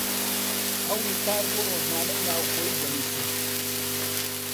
ئەو وتار بۆ ڕۆژنامەی ناوخۆیی دەنووسێت.